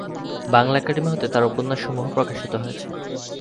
Bangla Academy হতে তার উপন্যাস সমূহ প্রকাশিত হয়েছে।